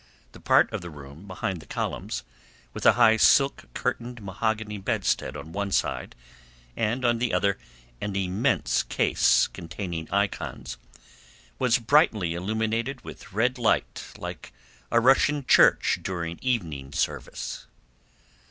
The part of the room behind the columns, with a high silk curtained mahogany bedstead on one side and on the other an immense case containing icons, was brightly illuminated with red light like a Russian church during evening service.